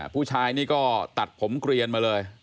ผู้ชายนี่ก็ตัดผมเกลียนมาเลย